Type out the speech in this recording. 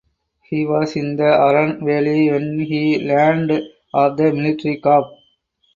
He was in the Aran Valley when he learned of the military coup.